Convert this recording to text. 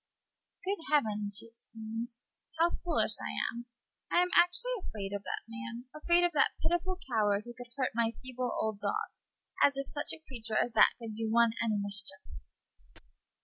"Good Heavens!" she exclaimed, "how foolish I am! I am actually afraid of that man afraid of that pitiful coward who could Page 73 hurt my feeble old dog. As if such a creature as that could do one any mischief!"